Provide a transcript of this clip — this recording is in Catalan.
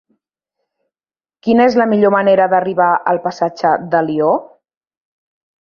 Quina és la millor manera d'arribar al passatge d'Alió?